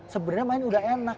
sebenernya main udah enak